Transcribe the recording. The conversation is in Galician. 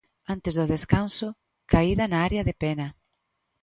Antes do descanso, caída na área de Pena.